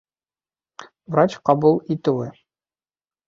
Врач ҡабул итеүе